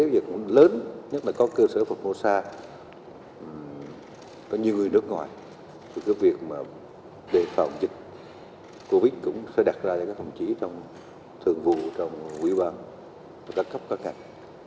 nếu dịch cũng lớn nhất là có cơ sở phục vụ xa có nhiều người nước ngoài thì cái việc để phòng dịch covid cũng sẽ đặt ra để phòng trí trong thường vụ trong quỹ quan và các cấp các cạnh